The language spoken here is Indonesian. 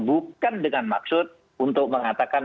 bukan dengan maksud untuk mengatakan